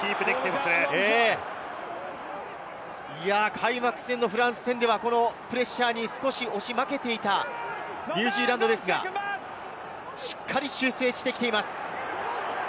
開幕戦のフランス戦では、プレッシャーに少し押し負けていたニュージーランドですが、しっかり修正してきています。